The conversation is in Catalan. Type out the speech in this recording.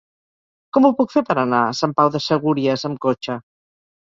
Com ho puc fer per anar a Sant Pau de Segúries amb cotxe?